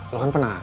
lo kan penasih